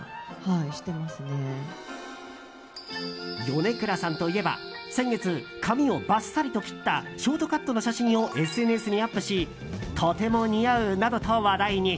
米倉さんといえば先月、髪をバッサリと切ったショートカットの写真をＳＮＳにアップしとても似合う！などと話題に。